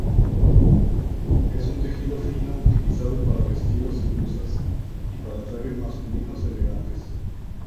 Es un tejido fino utilizado para vestidos y blusas, y para trajes masculinos elegantes.